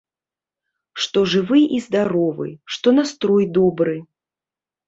Што жывы і здаровы, што настрой добры.